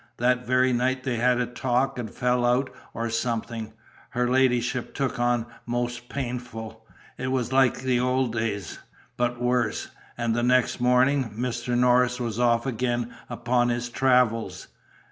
That very night they had a talk, and fell out or something; her ladyship took on most painful; it was like old days, but worse. And the next morning Mr. Norris was off again upon his travels.